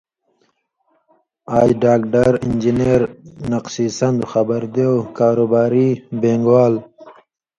آژ ڈاگدر ، انجنېر ،نقشی سندوۡ، خبری دېو، کاروباری ، بین٘گ وال